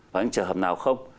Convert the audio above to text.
và những trường hợp nào không